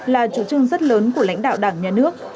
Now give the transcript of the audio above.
là chủ trương rất lớn của lãnh đạo đảng nhà nước